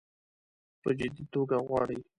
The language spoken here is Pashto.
په جدي توګه غواړي.